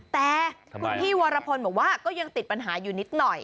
แต่คุณพี่วรพลบอกว่าก็ยังติดปัญหาอยู่นิดหน่อย